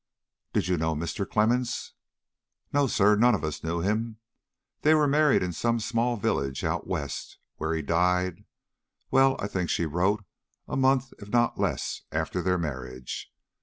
"Did you know Mr. Clemmens?" "No, sir; none of us knew him. They were married in some small village out West, where he died well, I think she wrote a month if not less after their marriage.